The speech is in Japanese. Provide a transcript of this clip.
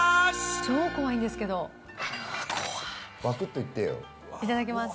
超怖いんですけどはー怖いいただきます